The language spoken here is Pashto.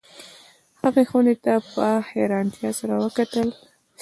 هغې خونې ته په حیرانتیا سره وکتل